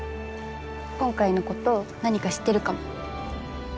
今回のこと何か知ってるかも。